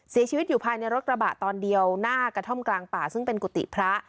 เสียชีวิตอยู่ภายในรถกระบะตอนเดียวหน้ากระท่อมกลางป่าซึ่งเป็นกุฏิพระ